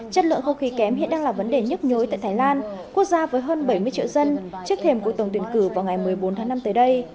chất lượng không khí kém hiện đang là vấn đề nhức nhối tại thái lan quốc gia với hơn bảy mươi triệu dân trước thềm cuộc tổng tuyển cử vào ngày một mươi bốn tháng năm tới đây